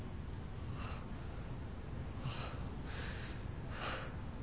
ああ。